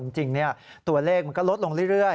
จริงตัวเลขมันก็ลดลงเรื่อย